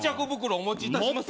お持ちいたします